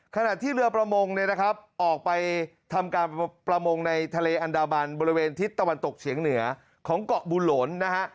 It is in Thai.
ขณะที่เรือประมงเนี่ยนะครับออกไปทำการประมงในทะเลอันดามันบริเวณทิศตะวันตกเฉียงเหนือของเกาะบุหลนนะฮะ